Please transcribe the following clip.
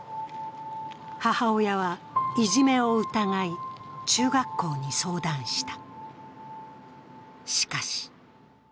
母親はいじめを疑い、中学校に相談した。